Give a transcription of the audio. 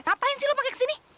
ngapain sih lo pake kesini